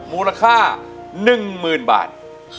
มูลค่า๑๐๐๐บาท